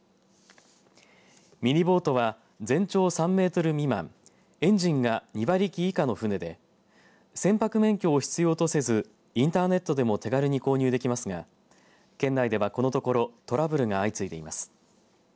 ミニボートは全長３メートル未満エンジンが２馬力以下の船で船舶免許を必要とせずインターネットでも手軽に購入できますが県内ではこのところトラブルが相次いでいます。